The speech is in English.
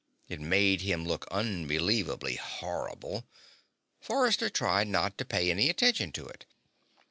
It made him look unbelievably horrible. Forrester tried not to pay any attention to it.